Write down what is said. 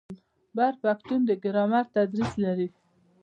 بر پښتون د ګرامر تدریس لري.